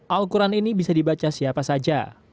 al quran ini bisa dibaca siapa saja